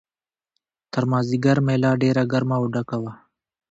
تر مازیګره مېله ډېره ګرمه او ډکه وه.